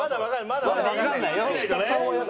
まだわかんないよ。